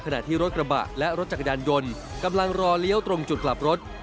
ขณะที่รถกระบะและรถจักรยานยนต์กำลังรอเลี้ยวตรงจุดกลับรถ